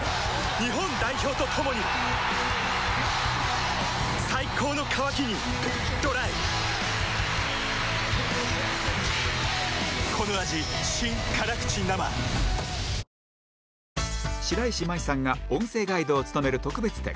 日本代表と共に最高の渇きに ＤＲＹ白石麻衣さんが音声ガイドを務める特別展